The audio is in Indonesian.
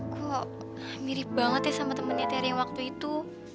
kok mirip banget ya sama temennya teri waktu itu